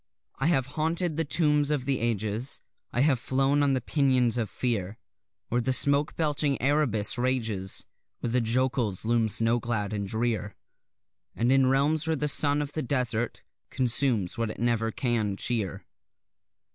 I have haunted the tombs of the ages, I have flown on the pinions of fear Where the smoke belching Erebus rages; Where the jokuls loom snow clad and drear: And in realms where the sun of the desert consumes what it never can cheer.